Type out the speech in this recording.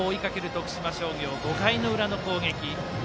徳島商業５回の裏の攻撃。